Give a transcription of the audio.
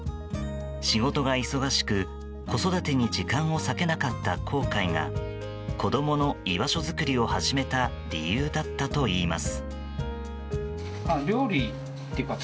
仕事が忙しく、子育てに時間を割けなかった後悔が子供の居場所づくりを始めた理由だったといいます。